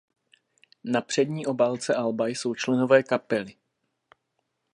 Na přední obálce alba jsou členové kapely.